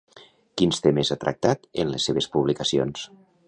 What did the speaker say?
Quins temes ha tractat en les seves publicacions?